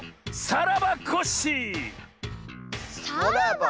「さらばコッシー」？